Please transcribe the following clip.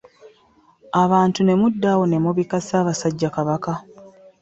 Abantu ne muddawo ne mubika Ssaabasajja Kabaka